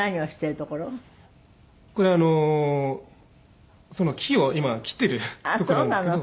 これあのその木を今切ってるところなんですけど。